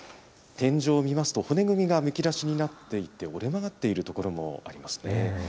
天井を見ますと、骨組みがむき出しになっていて、折れ曲がっている所もありますね。